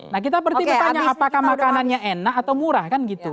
nah kita bertanya tanya apakah makanannya enak atau murah kan gitu